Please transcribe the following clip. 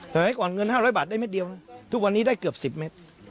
แต่ไหนก่อนเงินห้าร้อยบาทได้เม็ดเดียวทุกวันนี้ได้เกือบสิบเม็ด